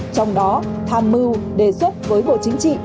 trong đó tham mưu đề xuất với bộ chính trị